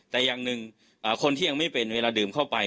แต่อย่างหนึ่งคนที่ยังไม่เป็นเวลาดื่มเข้าไป